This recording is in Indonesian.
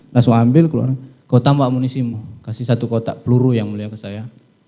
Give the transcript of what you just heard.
langsung ambil keluarkan kau tambah munisimu kasih satu kotak peluru ya mulia ke saya